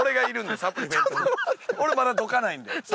俺まだどかないんで。